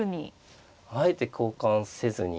あえて交換せずに。